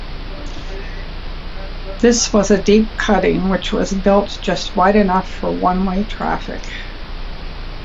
This was a deep cutting which was built just wide enough for one-way traffic.